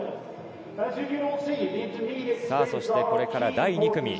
そしてこれから第２組。